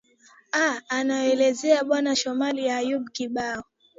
a anavyoelezea bwana shomali ayub kibao